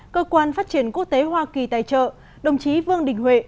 cơ quan phát triển quốc tế hoa kỳ tài trợ đồng chí vương đình huệ